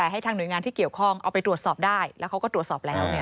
ให้ทางหน่วยงานที่เกี่ยวข้องเอาไปตรวจสอบได้แล้วเขาก็ตรวจสอบแล้ว